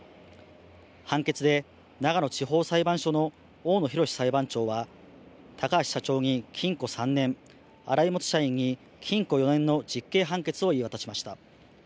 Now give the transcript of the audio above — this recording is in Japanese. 判決で長野地方裁判所の大野洋裁判長は高橋社長に禁錮３年、荒井元社員に禁錮４年の実刑判決を言い渡しました。